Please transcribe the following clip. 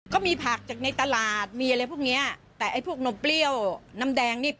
ก็มีผักจากในตลาดมีอะไรพวกเนี้ยแต่ไอ้พวกนมเปรี้ยวน้ำแดงนี่